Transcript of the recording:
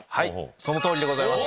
その通りでございます